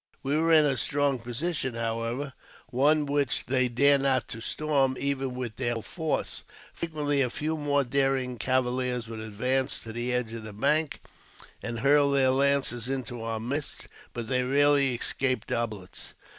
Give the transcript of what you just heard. We were in a strong position, however, one which they dared not to storm, even with their whole force. Frequently a few more daring cavaliers would advance to the edge of the bank, and hurl their lances into our midst ; but they rarely escaped our bullets.